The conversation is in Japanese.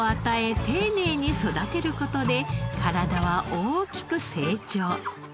丁寧に育てる事で体は大きく成長。